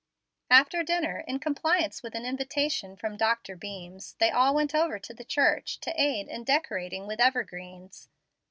After dinner, in compliance with an invitation from Dr. Beams, they all went over to the church, to aid in decorating it with evergreens.